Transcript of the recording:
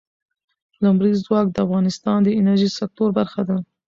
لمریز ځواک د افغانستان د انرژۍ سکتور برخه ده.